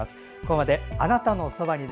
ここまで「あなたのそばに」